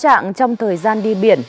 theo cáo trạng trong thời gian đi biển